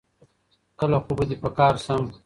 کله خو به دي په کار سم